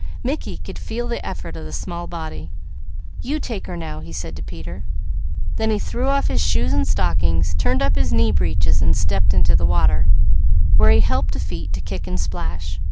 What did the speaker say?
Mickey could feel the effort of the small body. "You take her now," he said to Peter. Then he threw off his shoes and stockings, turned up his knee breeches and stepped into the water, where he helped the feet to kick and splash.